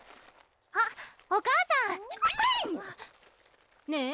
あっお母さんねぇ